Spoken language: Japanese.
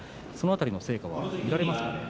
その辺りの成果、見られますか。